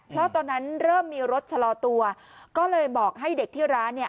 เพราะตอนนั้นเริ่มมีรถชะลอตัวก็เลยบอกให้เด็กที่ร้านเนี่ย